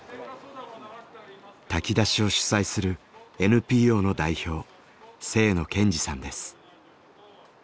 炊き出しを主催するＮＰＯの代表